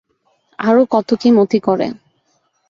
আরও কত কী মতি করে।